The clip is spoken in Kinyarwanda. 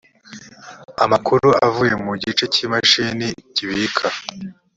amakuru avuye mu gice cy imashini kibika